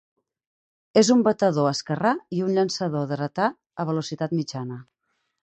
És un batedor esquerrà i un llançador dretà a velocitat mitjana.